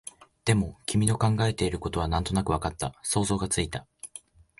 でも、君の考えていることはなんとなくわかった、想像がついた